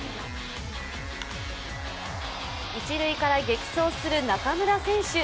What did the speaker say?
一塁から激走する中村選手。